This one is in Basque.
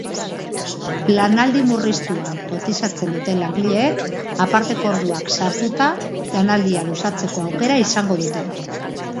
Lanaldi murriztuan kotizatzen duten langileek aparteko orduak sartuta lanaldia luzatzeko aukera izango dute.